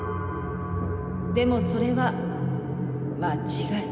でもそれは間違い。